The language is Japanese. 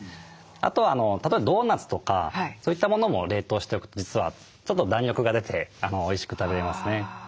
あとは例えばドーナツとかそういったものも冷凍しておくと実はちょっと弾力が出ておいしく食べれますね。